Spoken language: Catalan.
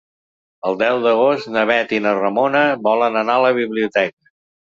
El deu d'agost na Bet i na Ramona volen anar a la biblioteca.